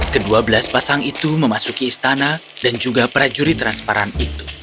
kedua belas pasang itu memasuki istana dan juga prajurit transparan itu